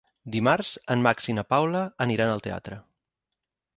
Dimarts en Max i na Paula aniran al teatre.